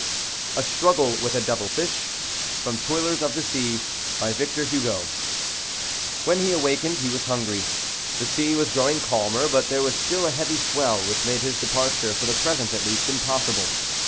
A STRUGGLE WITH A DEVIL FISH (From Toilers of the Sea.) By VICTOR HUGO. When he awakened he was hungry. The sea was growing calmer. But there was still a heavy swell, which made his departure, for the present at least, impossible.